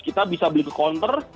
kita bisa beli ke counter